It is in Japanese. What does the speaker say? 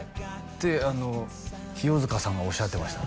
てあの清塚さんがおっしゃってました